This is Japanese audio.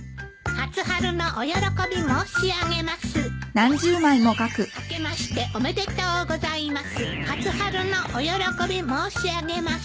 初春のお喜び申し上げます。